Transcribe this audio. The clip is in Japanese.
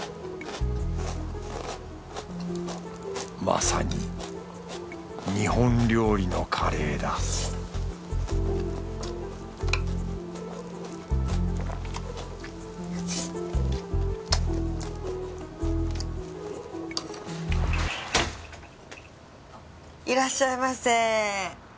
まさに日本料理のカレーだいらっしゃいませ。